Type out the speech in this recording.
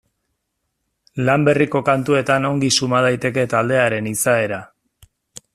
Lan berriko kantuetan ongi suma daiteke taldearen izaera.